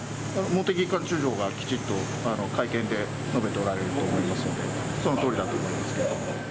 茂木幹事長がきちっと会見で述べておられると思いますので、そのとおりだと思います。